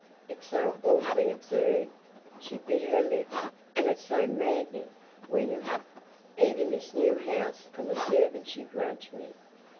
It's so awfully absurd"—she bit her lip—"and it's so maddening, William. Even this new house and the servants you grudge me."